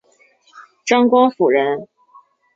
张光辅人。